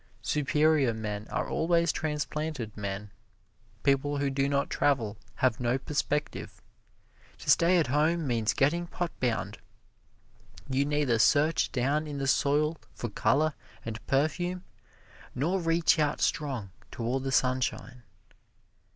Superior men are always transplanted men: people who do not travel have no perspective. To stay at home means getting pot bound. You neither search down in the soil for color and perfume nor reach out strong toward the sunshine.